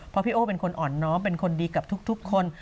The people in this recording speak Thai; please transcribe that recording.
เพราะพี่โอ้เป็นคนอ่อนน้อมเป็นคนดีกับทุกคน